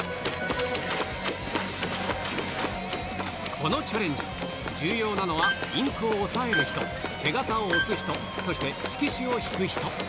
このチャレンジ、重要なのは、インクを押さえる人、手形を押す人、そして色紙を引く人。